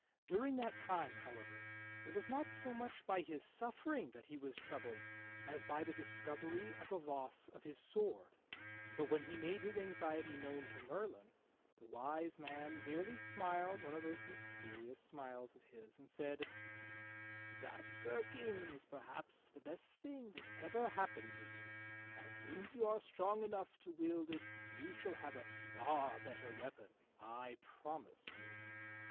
During that time, however, it was not so much by his suffering that he was troubled as by the discovery of the loss of his sword; but when he made his anxiety known to Merlin, the AVise Man merely smiled one of those mysterious smiles of his and said: "That, Sir King, is perhaps the best thing that ever hap pened to you. As soon as you are strong enough to wield it you shall have a far better weapon, I "SIR ECTOR' * nroniise von " •The Knight, Corot [CouHesj Braun el Cie.\ piOIIUSe^OU.